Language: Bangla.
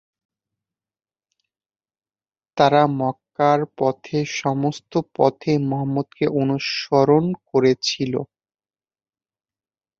তারা মক্কার পথে সমস্ত পথে মুহাম্মদকে অনুসরণ করেছিল।